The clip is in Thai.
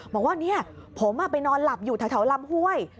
บอกว่าผมไปนอนหลับอยู่ท้าลำห้วย